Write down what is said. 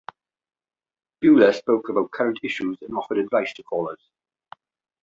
Bueler spoke about current issues and offered advice to callers.